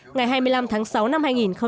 ngày hai mươi năm tháng sáu năm hai nghìn